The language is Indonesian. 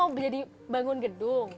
oh jadi bangun gedung